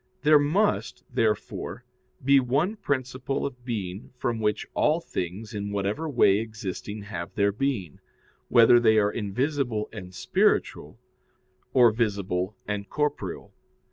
There must, therefore, be one principle of being from which all things in whatever way existing have their being, whether they are invisible and spiritual, or visible and corporeal.